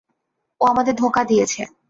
ও আমাদের ধোঁকা দিয়েছে।